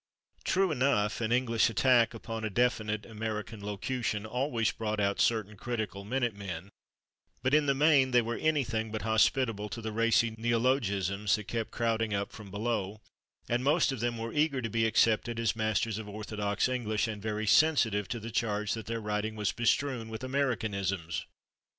True enough, an English attack upon a definite American locution always brought out certain critical minute men, but in the main they were anything but hospitable to the racy neologisms that kept crowding up from below, and most of them were eager to be accepted as masters of orthodox English and very sensitive to the charge that their writing was bestrewn with Americanisms.